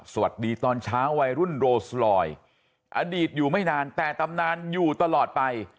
สวัสดีตอนเช้าวัยรุ่นโรสลอยอดีตอยู่ไม่นานแต่ตำนานอยู่ตลอดไป